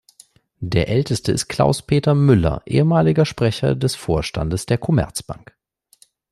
Das älteste ist Klaus-Peter Müller, ehemaliger Sprecher des Vorstandes der Commerzbank.